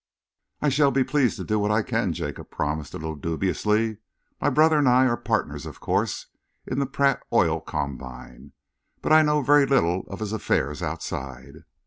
"I shall be pleased to do what I can," Jacob promised, a little dubiously. "My brother and I are partners, of course, in the Pratt Oil Combine, but I know very little of his affairs outside."